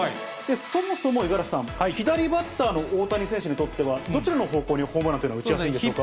そもそも五十嵐さん、左バッターの大谷選手にとっては、どちらの方向にホームランというのは打ちやすいんでしょうか。